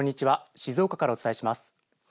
静岡からお伝えします。